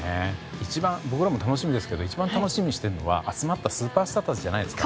僕らも楽しみですけど一番楽しみにしているのは集まったスーパースターたちじゃないですか。